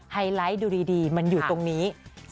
ไฮไลท์ดูดีมันอยู่ตรงนี้